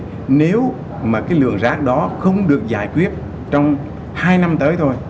thì nếu mà cái lượng rác đó không được giải quyết trong hai năm tới thôi